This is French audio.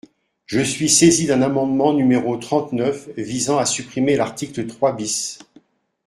Je suis saisi d’un amendement numéro trente-neuf visant à supprimer l’article trois bis.